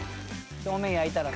表面焼いたら。